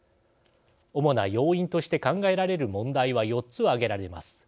主な要因として考えられる問題は４つ挙げられます。